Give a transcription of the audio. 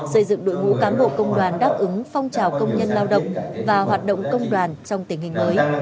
xây dựng đội ngũ cán bộ công đoàn đáp ứng phong trào công nhân lao động và hoạt động công đoàn trong tình hình mới